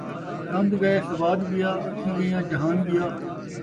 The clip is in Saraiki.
ݙن٘د ڳئے سواد ڳیا ، اکھیں ڳیاں جہان ڳیا